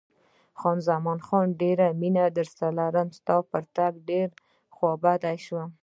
خان زمان: ډېره مینه درسره لرم، ستا په تګ ډېره خوابدې شوم.